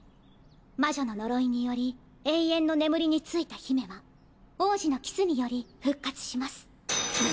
魔女の呪いにより永遠の眠りについた姫は王子のキスにより復活します。